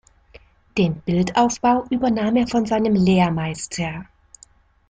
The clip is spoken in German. Den Bildaufbau übernahm er von seinem Lehrmeister.